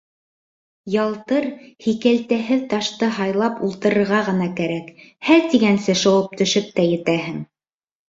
Ялтыр, һикәлтәһеҙ ташты һайлап ултырырга ғына кәрәк, «һә» тигәнсе шыуып төшөп тә етәһен.